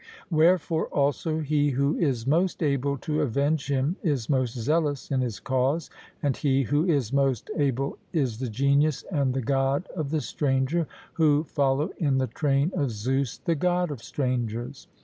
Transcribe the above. Wherefore, also, he who is most able to avenge him is most zealous in his cause; and he who is most able is the genius and the god of the stranger, who follow in the train of Zeus, the god of strangers.